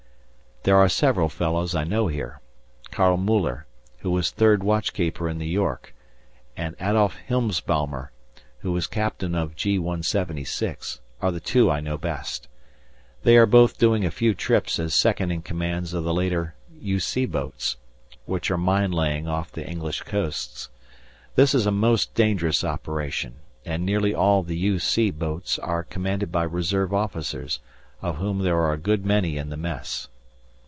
There are several fellows I know here. Karl Müller, who was 3rd watchkeeper in the Yorck, and Adolf Hilfsbaumer, who was captain of G.176, are the two I know best. They are both doing a few trips as second in commands of the later U.C. boats, which are mine laying off the English coasts. This is a most dangerous operation, and nearly all the U.C. boats are commanded by reserve officers, of whom there are a good many in the Mess.